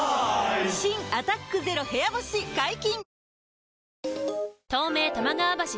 新「アタックＺＥＲＯ部屋干し」解禁‼